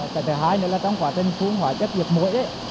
cái thứ hai nữa là trong quá trình phun hóa chất diệt mũi